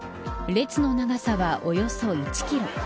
列の長さはおよそ１キロ。